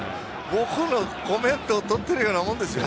僕のコメントを取っているようなもんですよ。